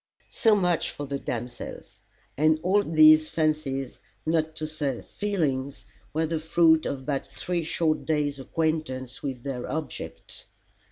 So much for the damsels. And all these fancies, not to say feelings, were the fruit of but three short days' acquaintance with their objects.